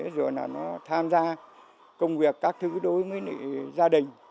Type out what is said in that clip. rồi là nó tham gia công việc các thứ đối với gia đình